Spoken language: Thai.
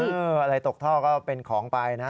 ถือว่าอะไรตกท่อก็เป็นของไปนะ